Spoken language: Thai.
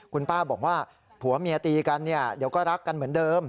คุณป้าบอกว่าผัวเมียตีกันเนี่ยเดี๋ยวก็รักกันเหมือนเดิม